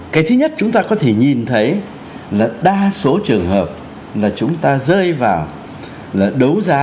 cái thứ nhất chúng ta có thể nhìn thấy là đa số trường hợp là chúng ta rơi vào là đấu giá